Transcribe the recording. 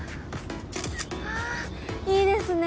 あいいですね。